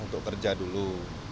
untuk kerja dulu